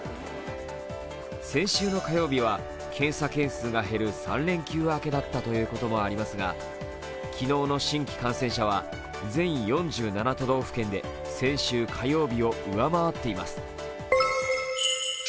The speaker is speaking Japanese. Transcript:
先週の火曜日は検査件数が減る３連休明けだったこともありますが、昨日の新規感染者は全４７都道府県で先週火曜日を上回っています。